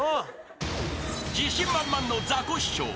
［自信満々のザコシショウ。